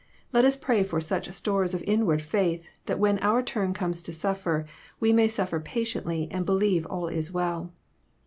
Let us pray for such stores of inward faith, that when our turn comes to suffer, we may sufi(^r patiently and believe all is well.